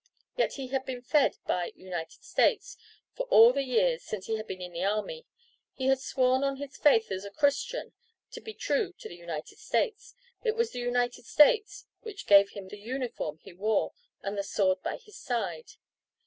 Yet he had been fed by "United States" for all the years since he had been in the army. He had sworn on his faith as a Christian to be true to "United States." It was "United States" which gave him the uniform he wore, and the sword by his side.